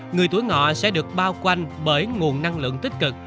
người tuổi ngọ sẽ được bao quanh bởi nguồn năng lượng tích cực